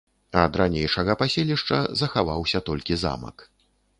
Ад ранейшага паселішча захаваўся толькі замак.